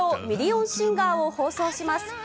ミリオンシンガーを放送します。